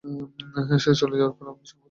সে চলে যাওয়ায় আপনি সম্ভবত খুশি।